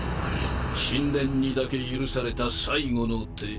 神殿にだけ許された最後の手。